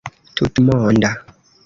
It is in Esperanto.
tutmonda